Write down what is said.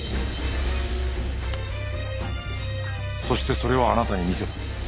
そしてそれをあなたに見せた。